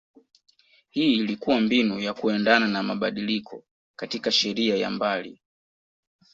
hii ilikua mbinu ya kuendana na mabadiliko katika sheria ya mbali